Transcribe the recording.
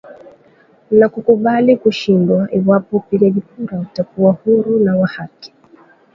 Na kukubali kushindwa iwapo upigaji kura utakuwa huru na wa haki.